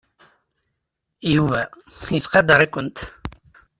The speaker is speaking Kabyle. Yuba yettqadar-ikent.